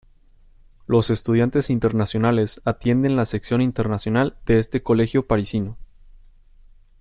Los estudiantes internacionales atienden la sección internacional de este colegio parisino.